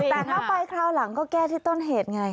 แต่ถ้าไปคราวหลังก็แก้ที่ต้นเหตุไง